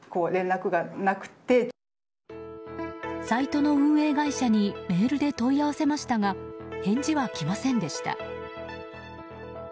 サイトの運営会社にメールで問い合わせましたが返事は来ませんでした。